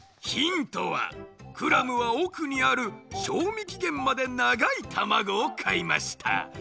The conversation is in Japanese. ヒントはクラムはおくにある賞味期限までながいたまごを買いました。